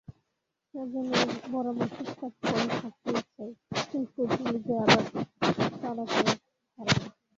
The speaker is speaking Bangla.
সেইজন্যেই বড়োমা চুপচাপ করে থাকতেই চাই, কিন্তু তুমি যে আবার চালাতেও ছাড় না।